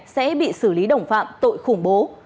sẽ bị xử lý đồng phạm tội khủng bố